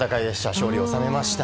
勝利を収めました。